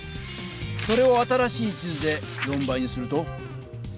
それを新しい地図で４倍にすると？